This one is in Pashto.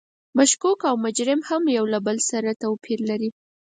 مشکوک او مجرم هم یو له بل سره توپیر لري.